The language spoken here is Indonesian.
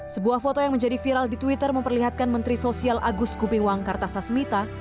sebuah foto yang menjadi viral di twitter memperlihatkan menteri sosial agus kubiwang kartasasmita